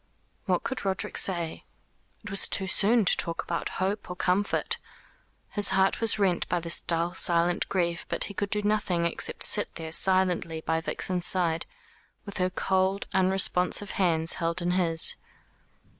What could Roderick say? It was too soon to talk about hope or comfort. His heart was rent by this dull silent grief; but he could do nothing except sit there silently by Vixen's side with her cold unresponsive hands held in his.